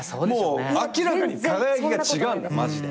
明らかに輝きが違うんだマジで。